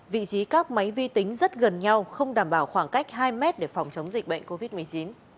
vị trí các máy vi tính rất gần nhau không đảm bảo khoảng cách hai mét để phòng chống dịch bệnh covid một mươi chín